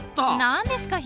何ですか？